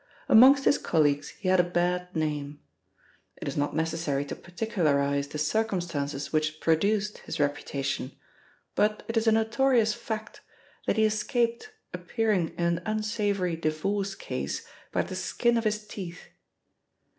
Amongst his colleagues he had a bad name. It is not necessary to particularise the circumstances which produced his reputation, but it is a notorious fact that he escaped appearing in an unsavoury divorce case by the skin of his teeth.